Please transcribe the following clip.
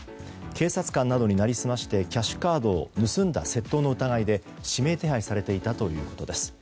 警察官などになりすましてキャッシュカードを盗んだ窃盗の疑いで指名手配されていたということです。